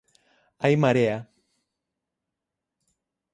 Hai Marea!